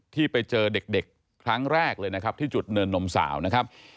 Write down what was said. ที่ไปเจอเด็กครั้งแรกเลยนะครับที่จุดเนินนมสาวนะครับ